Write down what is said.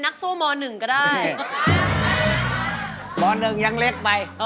นักสู้เมื่อสามนะครับ